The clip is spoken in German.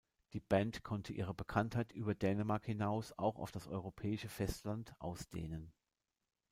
Die Band konnte ihre Bekanntheit über Dänemark hinaus auch auf das europäische Festland ausdehnen.